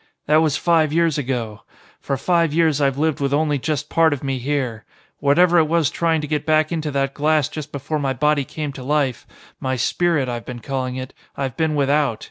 "That was five years ago. For five years I've lived with only just part of me here. Whatever it was trying to get back into that glass just before my body came to life my spirit, I've been calling it I've been without.